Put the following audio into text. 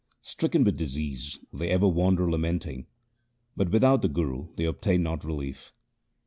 Stricken with disease they ever wander lamenting, but without the Guru they obtain not relief.